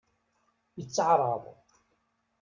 Itteɛṛaḍ.